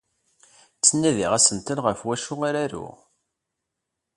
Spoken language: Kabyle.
Ttnadiɣ asentel ɣef wacu ara aruɣ.